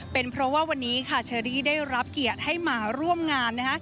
เป็นเพราะว่าวันนี้ค่ะเชอรี่ได้รับเกียรติให้มาร่วมงานนะคะ